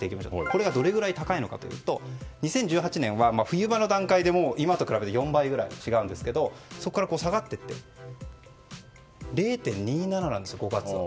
これがどのくらい高いのかというと２０１８年は冬場の段階で今と比べて４倍ぐらい違うんですがそこから下がっていって０．２７なんです、５月は。